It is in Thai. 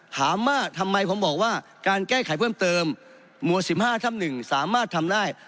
ถามว่าทำไมผมบอกว่าการแก้ไขเพิ่มเติมหมวด๑๕ทับ๑สามารถทำได้